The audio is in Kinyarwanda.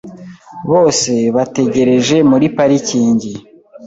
Bose bategereje muri parikingi .